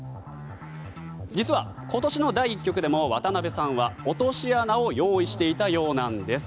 実は、今年の第１局でも渡辺さんは落とし穴を用意していたようなんです。